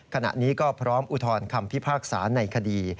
ขณะนี้ก็พร้อมอุทธรณ์คำพิพากษาในคดี